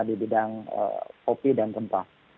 di bidang kopi dan rempah